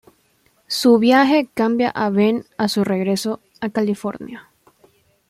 Su viaje cambia a Ben a su regreso a California.